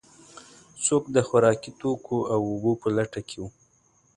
څوک د خوراکي توکو او اوبو په لټه کې و.